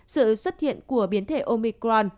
sự xuất hiện của biến thể omicron